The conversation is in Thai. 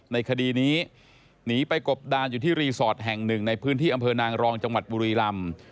ในคดีนี้หนีไปกบดานอยู่ที่รีสอร์ทแห่งหนึ่งในพื้นที่อำเภอนางรองจังหวัดบุรีลำ